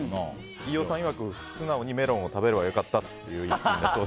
飯尾さんいわく、素直にメロンを食べればよかったと。